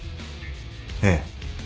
ええ。